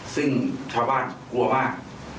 ซึ่งชาวบ้านกลัวมาก